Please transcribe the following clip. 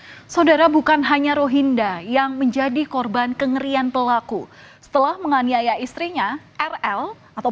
hai saudara bukan hanya rohinda yang menjadi korban kengerian pelaku setelah menganiaya istrinya rl atau